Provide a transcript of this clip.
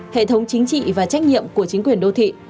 hệ thống chính trị và trách nhiệm của chính quyền đô thị